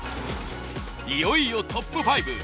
いよいよトップ５。